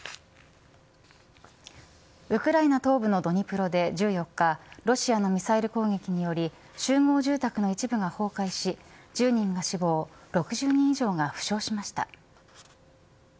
ウクライナ東部のドニプロで１４日ロシアのミサイル攻撃により集合住宅の一部が崩壊し１０人が死亡、６０人以上が負傷しました。